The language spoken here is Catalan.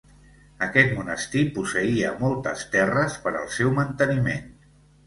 Aquest monestir posseïa moltes terres per al seu manteniment.